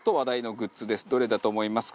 どれだと思いますか？